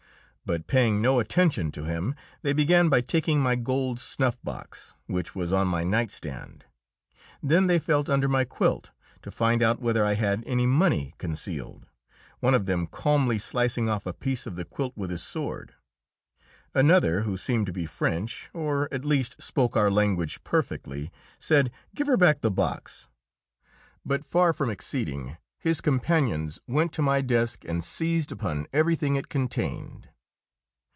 But paying no attention to him, they began by taking my gold snuff box, which was on my night stand. Then they felt under my quilt, to find out whether I had any money concealed, one of them calmly slicing off a piece of the quilt with his sword. Another, who seemed to be French, or at least spoke our language perfectly, said, "Give her back the box"; but far from acceding, his companions went to my desk and seized upon everything it contained.